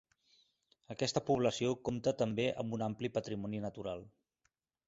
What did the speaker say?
Aquesta població compta també amb un ampli patrimoni natural.